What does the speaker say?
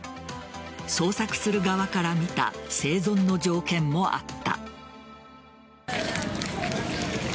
捜索する側から見た生存の条件もあった。